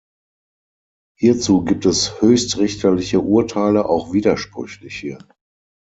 Hierzu gibt es höchstrichterliche Urteile, auch widersprüchliche.